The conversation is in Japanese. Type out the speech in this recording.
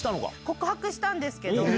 告白したんですけど。